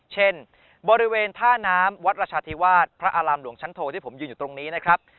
เช่นบริเวณท่าน้ำวัดราชาธิวาสพระอารามหลวงชั้นโทที่ผมยืนอยู่ตรงนี้นะครับ